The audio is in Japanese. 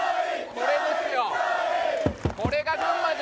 これですよ。